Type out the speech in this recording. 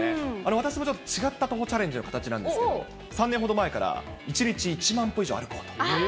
私もちょっと違った徒歩チャレンジの形なんですけど、３年ほど前から１日１万歩以上歩こうと。